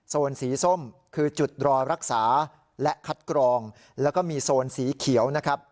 สีส้มคือจุดรอรักษาและคัดกรองแล้วก็มีโซนสีเขียวนะครับ